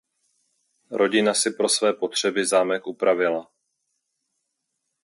Rodina si pro své potřeby zámek upravila.